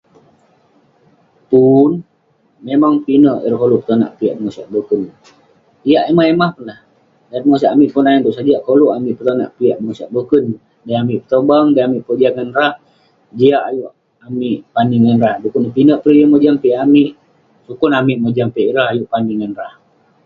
Pun memang pinek ireh yanh koluk konak piak pegosak boken piak emah-emah peh kunah dalem pegosak amik ponan sajak koluk amik tonak piak pegosak boken dan amik petobang dan pojah ngan rah jial ayuk amik pani ngan rah dukuk pinek yeng mojam piak amik sukun amik mojam piak ireh ayuk pani ngan rah.